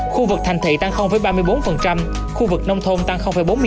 khu vực thành thị tăng ba mươi bốn khu vực nông thôn tăng bốn mươi năm